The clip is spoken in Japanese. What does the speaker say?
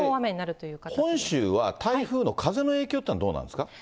これ、本州は台風の風の影響というのはどうなんですか。